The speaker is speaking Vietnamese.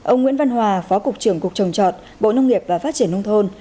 ông nguyễn văn hòa phó cục trưởng cục trồng trọt bộ nông nghiệp và phát triển nông thôn